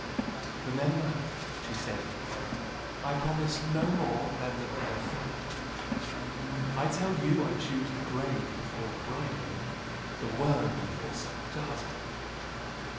'Remember,' she said, 'I promise no more than the bare fact. I tell you I choose the grave before a bride bed, the worm before such a husband!